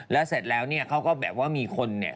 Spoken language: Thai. แล้วเสร็จแล้วเนี่ยเขาก็แบบว่ามีคนเนี่ย